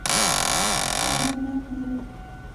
دا امنیت نه دی